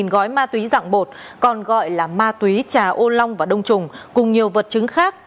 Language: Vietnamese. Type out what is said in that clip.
một mươi gói ma túy dạng bột còn gọi là ma túy trà ô long và đông trùng cùng nhiều vật chứng khác